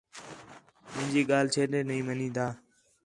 مینجی ڳَل چھے ݙے نہیں منین٘دی